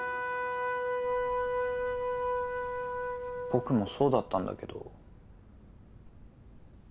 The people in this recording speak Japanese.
僕もそうだったんだけど。